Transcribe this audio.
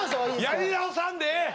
やり直さんでええ！